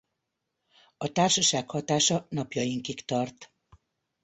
A társaság hatása napjainkig tart.